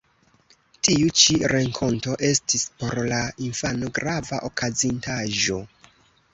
Tiu ĉi renkonto estis por la infano grava okazintaĵo.